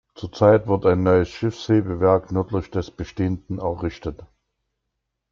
Zurzeit wird ein neues Schiffshebewerk nördlich des bestehenden errichtet.